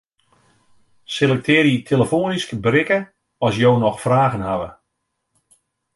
Selektearje 'telefoanysk berikke as jo noch fragen hawwe'.